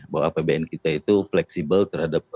bahwa apbn kita itu fleksibel terhadap